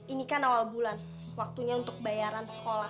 ini kan awal bulan waktunya untuk bayaran sekolah